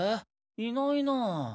いないな。